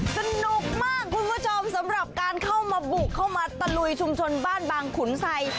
สนุกมากคุณผู้ชมสำหรับการเข้ามาบุกเข้ามาตะลุยชุมชนบ้านบางขุนไซ